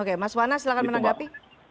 oke mas wana silahkan menanggapi